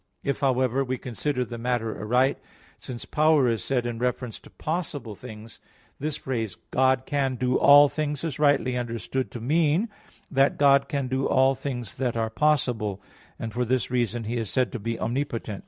If, however, we consider the matter aright, since power is said in reference to possible things, this phrase, "God can do all things," is rightly understood to mean that God can do all things that are possible; and for this reason He is said to be omnipotent.